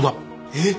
えっ！？